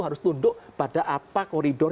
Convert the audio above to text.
harus tunduk pada apa koridor